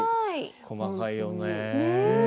細かいよねぇ。ね！